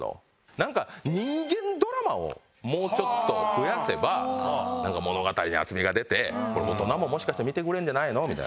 なんか人間ドラマをもうちょっと増やせば物語に厚みが出て大人ももしかしたら見てくれるんじゃないの？